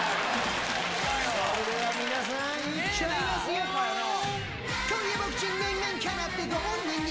それでは皆さん、いっちゃいますよー。